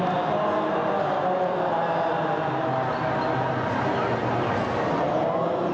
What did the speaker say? โอ้โอ้